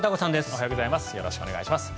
おはようございます。